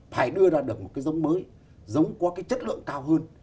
phải đưa ra được một cái giống mới giống có cái chất lượng cao hơn